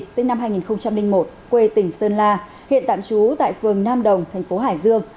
sinh năm hai nghìn một quê tỉnh sơn la hiện tạm trú tại phường nam đồng thành phố hải dương